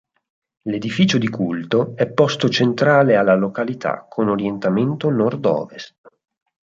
L'edificio di culto è posto centrale alla località con orientamento nord ovest.